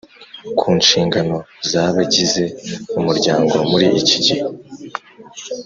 ku nshingano za bagize umuryango muri iki gihe?